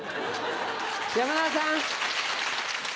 山田さん。